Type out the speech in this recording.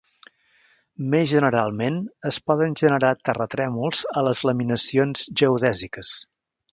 Més generalment, es poden generar terratrèmols a les laminacions geodèsiques.